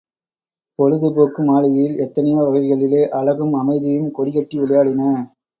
பொழுதுபோக்கு மாளிகையில் எத்தனையோ வகைகளிலே அழகும் அமைதியும் கொடிகட்டி விளையாடின.